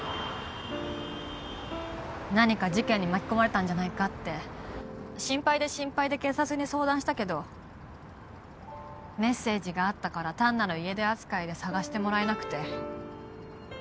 何か事件に巻き込まれたんじゃないかって心配で心配で警察に相談したけどメッセージがあったから単なる家出扱いで捜してもらえなくて。